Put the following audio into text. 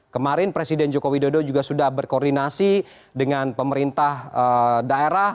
kemarin presiden joko widodo juga sudah berkoordinasi dengan pemerintah daerah